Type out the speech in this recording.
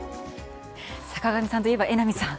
坂上さんといえば、榎並さん。